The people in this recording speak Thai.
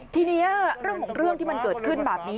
ทีนี้เรื่องของเรื่องที่มันเกิดขึ้นแบบนี้